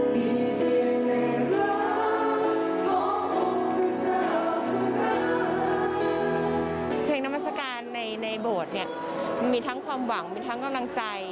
เพลงนามัศกาลในโบสถ์เนี่ยมีทั้งความหวังมีทั้งกำลังใจ